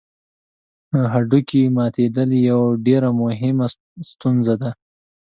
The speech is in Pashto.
د هډوکي ماتېدل یوه ډېره مهمه ستونزه ده.